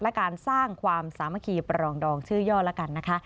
และการสร้างความสามัคคีปรองดองชื่อย่อละกันนะคะ